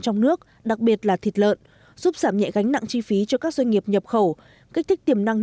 trong nước đặc biệt là thịt lợn giúp giảm nhẹ gánh nặng chi phí cho các doanh nghiệp nhập khẩu kích thích tiềm năng